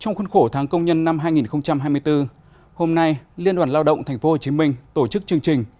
trong khuôn khổ tháng công nhân năm hai nghìn hai mươi bốn hôm nay liên đoàn lao động tp hcm tổ chức chương trình